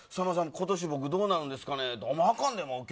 今年、僕どうなんですかって。